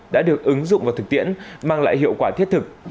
đã được ứng dụng vào thực tiễn mang lại hiệu quả thiết thực